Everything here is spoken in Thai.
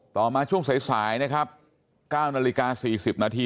ต่อมาช่วงสายนะครับ๙นาฬิกา๔๐นาที